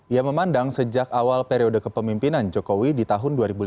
ia memandang sejak awal periode kepemimpinan jokowi di tahun dua ribu lima belas